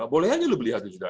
boleh aja lo beli satu juta